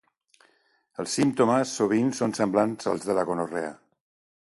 Els símptomes sovint són semblants als de la gonorrea.